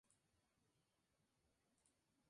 Su autor es Julio González Pola.